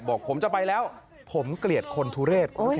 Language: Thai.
บอกผมจะไปแล้วผมเกลียดคนทุเรศ